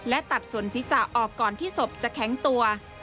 และตัดส่วนศีรษะออกก่อนที่ศพจะแข็งตัว